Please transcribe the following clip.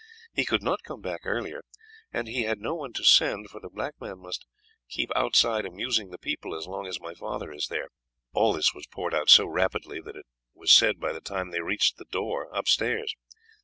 He could not come back earlier, and he had no one to send, for the black man must keep outside amusing the people as long as my father is there." All this was poured out so rapidly that it was said by the time they reached the door upstairs.